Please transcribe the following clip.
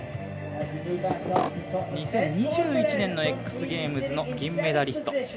２０２１年のＸゲームズの銀メダリスト。